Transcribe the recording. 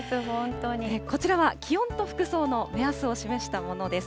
こちらは気温と服装の目安を示したものです。